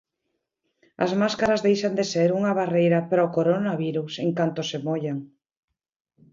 As máscaras deixan de ser unha barreira para o coronavirus en canto se mollan.